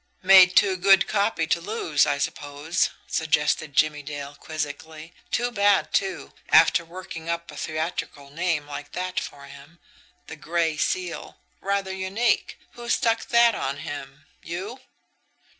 "Made too good 'copy' to lose, I suppose?" suggested Jimmie Dale quizzically. "Too bad, too, after working up a theatrical name like that for him the Gray Seal rather unique! Who stuck that on him you?"